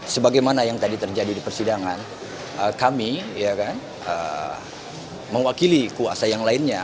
sebagaimana yang tadi terjadi di persidangan kami mewakili kuasa yang lainnya